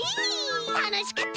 たのしかった！